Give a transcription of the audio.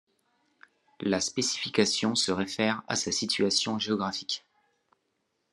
La spécification se réfère à sa situation géographique.